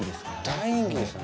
大人気ですよね。